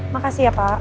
makasih ya pak